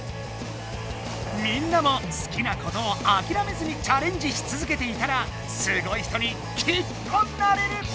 みんなも好きなことをあきらめずにチャレンジし続けていたらすごい人にきっとなれる！